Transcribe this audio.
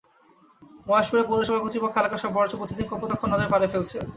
মহেশপুর পৌরসভা কর্তৃপক্ষ এলাকার সব বর্জ্য প্রতিদিন কপোতাক্ষ নদের পাড়ে ফেলছে।